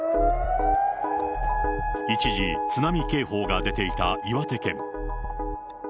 一時、津波警報が出ていた岩手県。